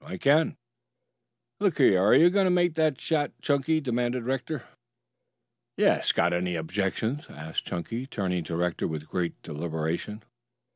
I can " "Look here, are you going to make that shot, Chunky?" demanded Rector. "Yes. Got any objections?" asked Chunky turning to Rector with great deliberation.